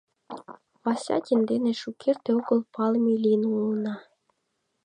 Васятин дене шукерте огыл палыме лийын улына.